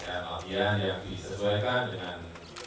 pakaian pakaian yang disesuaikan dengan